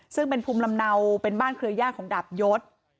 ซึ่งเป็นภูมิลำเนาเป็นบ้านเครือญาติของดาบยศ